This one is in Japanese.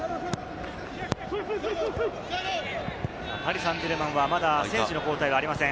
パリ・サンジェルマンはまだ選手の交代がありません。